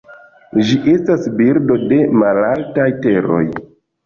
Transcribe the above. Ĝi estas birdo de malaltaj teroj.